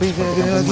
seperti kampung mati